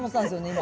今。